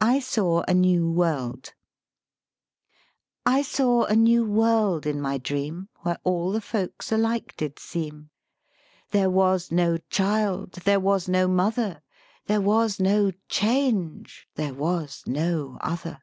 I SAW A NEW WORLD I saw a new world in my dream, Where all the folks alike did seem: There was no Child, there was no Mother, There was no Change, there was no Other.